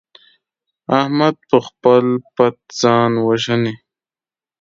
احمد پر خپل پت ځان وژني.